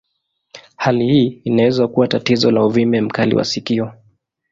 Hali hii inaweza kuwa tatizo la uvimbe mkali wa sikio.